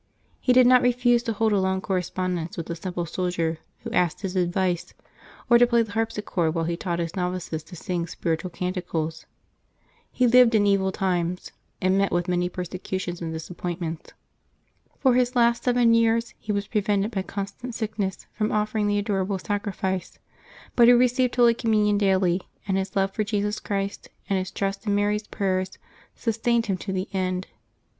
He did not refuse to hold a long corre spondence with a simple soldier who asked his advice, or to play the harpsichord while he taught his novices to sing spiritual canticles. He lived in evil times, and met with many persecutions and disappointments. For his last seven years he was prevented by constant sickness from offering the Adorable Sacrifice ; but he received Holy Com munion daily, and his love for Jesus Christ and his trust in Mary's prayers sustained him to the end.